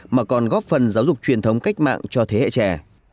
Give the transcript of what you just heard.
mà còn góp phần giáo dục truyền thống cách mạng cho thế hệ trẻ